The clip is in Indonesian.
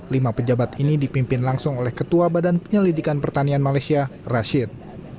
lima pejabat ini dipimpin langsung oleh ketua badan penyelidikan pertanian malaysia rashid